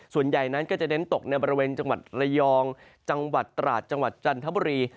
ส่วนใหญ่นั้นก็จะเน้นตกในบริเวณจังหวัดระยองจังหวัดตราดจังหวัดจันทบุรี